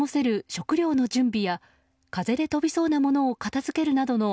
食料の準備や風で飛びそうなものを片付けるなどの